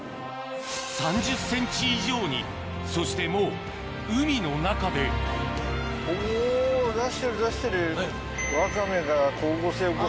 ３０ｃｍ以上にそしてもう海の中でワカメが。